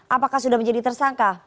apakah sudah menjadi tersangka